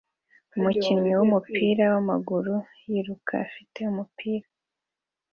Umukinnyi wumupira wamaguru yiruka afite umupira